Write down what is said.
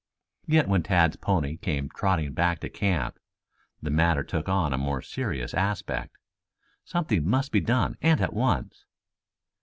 Yet when Tad's pony came trotting back to camp, the matter took on a more serious aspect. Something must be done and at once.